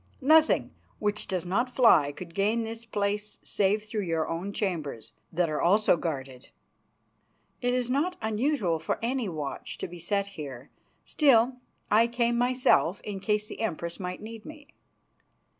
Nothing which does not fly could gain this place save through your own chambers, that are also guarded. It is not usual for any watch to be set here, still I came myself in case the Empress might need me."